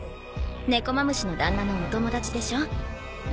ネコマムシの旦那のお友達でしょ。